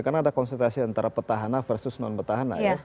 karena ada kontestasi antara petahana versus non petahana